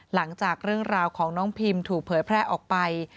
หลังจากเรื่องราวของน้องพิมถูกเผยแพร่ออกไป